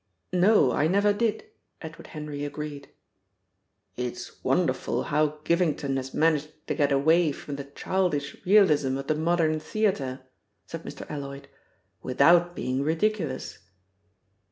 "No, I never did!" Edward Henry agreed. "It's wonderful how Givington has managed to get away from the childish realism of the modern theatre," said Mr. Alloyd, "without being ridiculous."